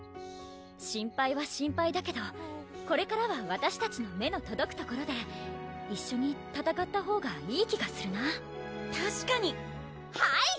心配は心配だけどこれからはわたしたちの目のとどく所で一緒に戦ったほうがいい気がするなたしかにはい！